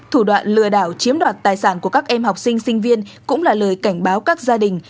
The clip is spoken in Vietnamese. thủ đoạn lừa đảo chiếm đoạt tài sản của các em học sinh sinh viên cũng là lời cảnh báo các gia đình